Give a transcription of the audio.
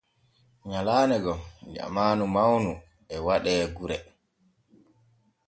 Nyalaane gom jamaanu mawnu e waɗe gure.